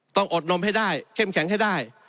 อดนมให้ได้เข้มแข็งให้ได้